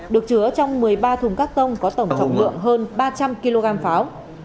được chứa trong một mươi ba thùng các tông có tổng trọng lượng hơn ba trăm linh kg pháo